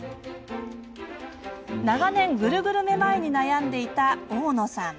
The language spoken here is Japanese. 長年グルグルめまいに悩んでいた大野さん。